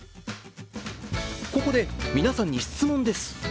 ここで皆さんに質問です。